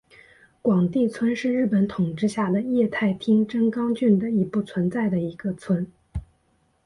广地村是日本统治下的桦太厅真冈郡的已不存在的一村。